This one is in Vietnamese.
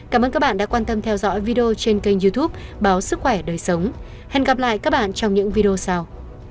cảm ơn các bạn đã quan tâm theo dõi video trên kênh youtube báo sức khỏe đời sống hẹn gặp lại các bạn trong những video sau